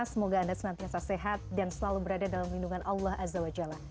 semoga anda senantiasa sehat dan selalu berada dalam lindungan allah azza wa jalla